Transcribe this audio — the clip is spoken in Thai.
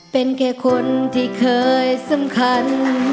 เป็นแค่คนที่เคยสำคัญ